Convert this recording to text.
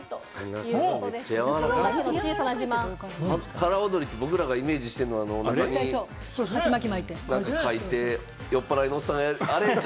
腹踊りって僕らがイメージしてるんは、腹に何か描いて、酔っぱらいのおっさんがやる、あれか？